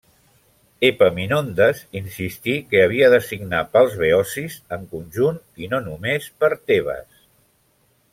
Epaminondes insistí que havia de signar pels beocis en conjunt, i no només per Tebes.